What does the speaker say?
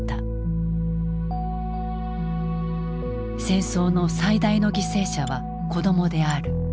戦争の最大の犠牲者は子どもである。